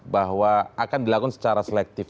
bahwa akan dilakukan secara selektif